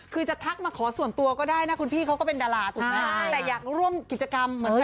คือจะทักมาขอส่วนตัวก็ได้นะคุณพี่เค้าก็เป็นดาราตรุ่งนั้น